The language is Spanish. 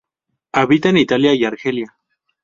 Habita en Italia y Argelia.